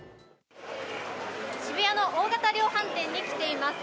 渋谷の大型量販店に来ています。